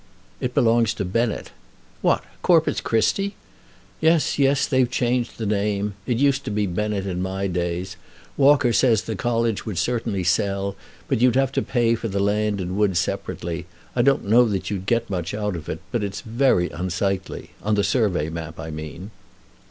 "It belongs to Benet." "What; Corpus Christi?" "Yes, yes; they've changed the name. It used to be Benet in my days. Walker says the College would certainly sell, but you'd have to pay for the land and the wood separately. I don't know that you'd get much out of it; but it's very unsightly, on the survey map, I mean."